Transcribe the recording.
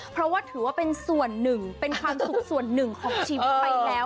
เพราะว่าถือว่าเป็นส่วนหนึ่งเป็นความสุขส่วนหนึ่งของชีวิตไปแล้ว